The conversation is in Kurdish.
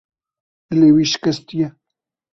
Dilê wî şikestî ye.